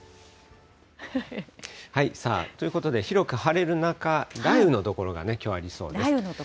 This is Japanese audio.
さあ、ということで、広く晴れる中、雷雨の所が、きょうはありそうです。